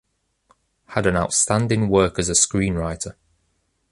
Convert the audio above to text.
Had an outstanding work as a screenwriter.